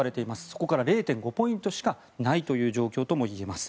そこから０．５ポイントしかないという状況ともいえます。